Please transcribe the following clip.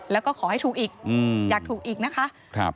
แล้วก็ขอให้ถูกอีกอยากถูกอีกนะคะ